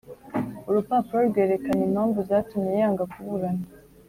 urupapuro rwerekana impamvu zatumye yanga kuburana